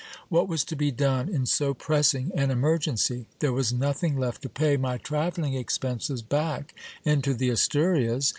What was to be done in so pressing an emergency ? There was nothing left to pay my travelling expenses back into the Asturias.